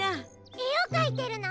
えをかいてるの？